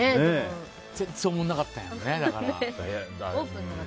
全然おもんなかったんやね。